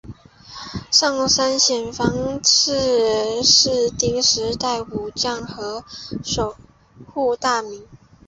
上杉显房是室町时代武将和守护大名。